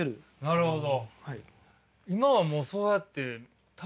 なるほど。